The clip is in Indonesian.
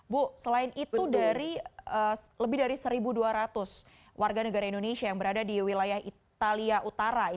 bu selain itu dari lebih dari satu dua ratus warga negara indonesia yang berada di wilayah italia utara